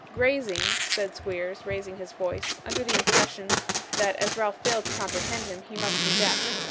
'Grazing,' said Squeers, raising his voice, under the impression that as Ralph failed to comprehend him, he must be deaf.